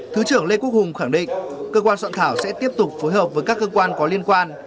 thứ trưởng lê quốc hùng khẳng định cơ quan soạn thảo sẽ tiếp tục phối hợp với các cơ quan có liên quan